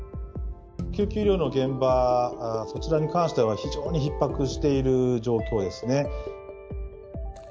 救急医療の現場、そちらに関しては、非常にひっ迫している状況ですね。